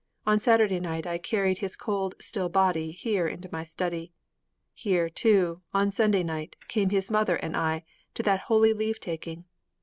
On Saturday night I carried his cold, still body here into my study. Here, too, on Sunday night, came his mother and I to that holy leavetaking.